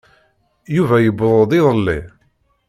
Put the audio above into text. Yuba yewweḍ-d iḍelli.